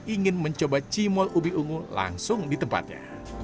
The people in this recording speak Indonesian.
ingin mencoba cimol ubi ungu langsung di tempatnya